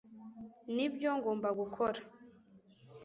nibyo ngomba gukora